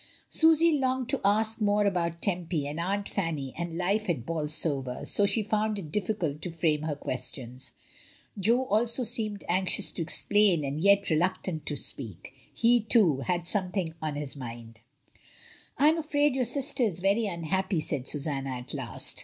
Susy longed to ask more about Tempy and Aunt Fanny and life at Bolsover, but she found it difficult to frame her questions. Jo also seemed anxious to explain and yet reluctant to speak; he, too, had something on his mind. "I am afraid your sister is very unhappy," said Susanna at last.